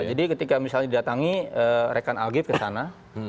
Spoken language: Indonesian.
jadi ketika misalnya didatangi rekan algif ke sana